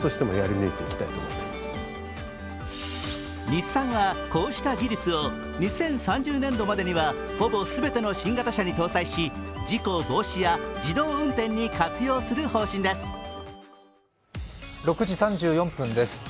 日産はこうした技術を２０３０年度までにはほぼ全ての新型車に搭載し事故防止や自動運転に活用する方針です。